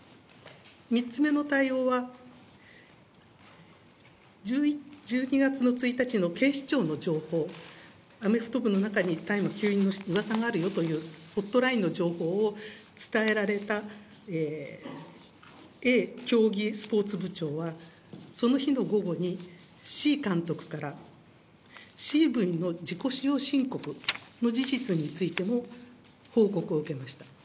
３つ目の対応は、１２月の１日の警視庁の情報、アメフト部の中に大麻吸引のうわさがあるよという、ホットラインの情報を伝えられたＡ競技スポーツ部長は、その日の午後にＣ監督から、Ｃ部員の自己使用申告の事実についても、報告を受けました。